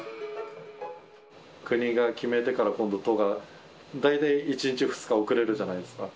国が決めてから、今度、都が、大体１日、２日遅れるじゃないですか。